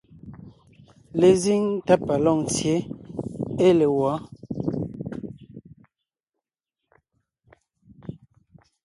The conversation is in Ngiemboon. Lezíŋ tá pa Lôŋtsyě ée le wɔ̌?